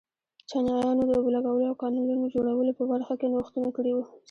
چینایانو د اوبو لګولو او کانالونو جوړولو په برخه کې نوښتونه کړي وو.